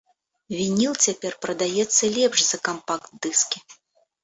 Вініл цяпер прадаецца лепш за кампакт-дыскі.